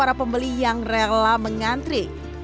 para pembeli yang rela mengantri